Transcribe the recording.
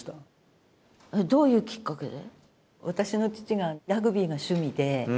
どういうきっかけで？